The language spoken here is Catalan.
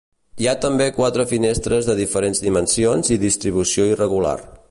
Hi ha també quatre finestres de diferents dimensions i distribució irregular.